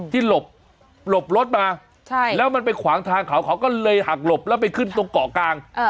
หลบรถมาแล้วมันไปขวางทางเขาเขาก็เลยหักหลบแล้วไปขึ้นตรงเกาะกลาง